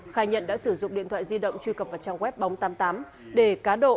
khai nhận đã sử dụng điện thoại di động truy cập vào trang web bóng tám mươi tám để cá độ